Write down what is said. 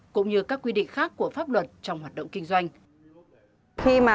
cũng như các quy định khác của pháp luật trong hoạt động kinh doanh